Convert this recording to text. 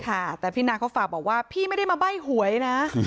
ค่ะแต่พี่นางเขาฝากบอกว่าพี่ไม่ได้มาใบ้หวยนะ